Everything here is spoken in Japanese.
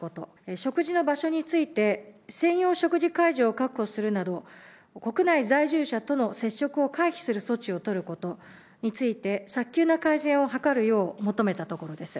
食事の場所について、専用食事会場を確保するなど、国内在住者との接触を回避する措置を取ることについて、早急な改善を図るよう求めたところです。